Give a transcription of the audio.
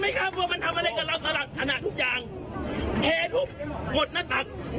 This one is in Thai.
แพทย์ทุกข์หมดหน้าตัก